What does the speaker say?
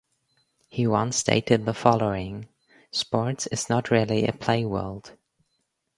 He once stated the following: Sports is not really a play world.